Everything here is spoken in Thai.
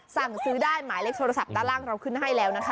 สั่งซื้อได้หมายเลขโทรศัพท์ด้านล่างเราขึ้นให้แล้วนะคะ